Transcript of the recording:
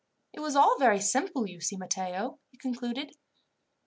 "It is all very simple, you see, Matteo," he concluded.